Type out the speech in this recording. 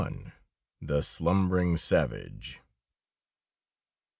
THE SLUMBERING SAVAGE.